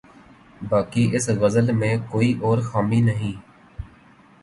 باقی اس غزل میں کوئی اور خامی نہیں۔